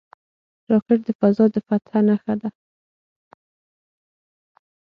راکټ د فضا د فتح نښه ده